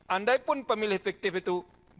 andaipun pemilih fiktif itu